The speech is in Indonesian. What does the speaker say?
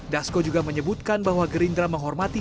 dasko juga menyebutkan bahwa gerindra menghormati